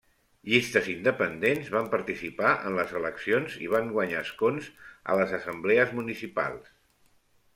Llistes independents van participar en les eleccions i van guanyar escons a les assemblees municipals.